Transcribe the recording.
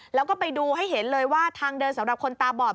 แล้วก็ไปดูให้เห็นเลยว่าทางเดินสำหรับคนตาบอด